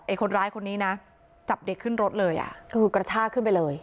คนร้ายคนนี้นะจับเด็กขึ้นรถเลยอ่ะก็คือกระชากขึ้นไปเลย